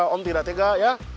om tidak tega ya